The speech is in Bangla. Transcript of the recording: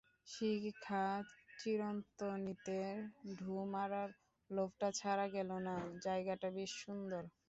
শিখা চিরন্তনীতে ঢুঁ মারার লোভটা ছাড়া গেল না, জায়গাটা বেশ সুন্দর।